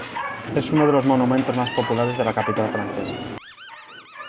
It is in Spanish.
Es uno de los monumentos más populares de la capital francesa.